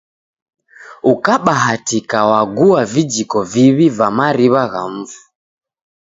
Ukabahatika wagua vijiko viw'i va mariw'a gha mfu.